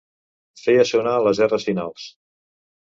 Feia sonar les erres finals.